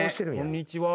こんにちは。